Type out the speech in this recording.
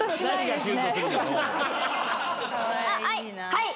はい！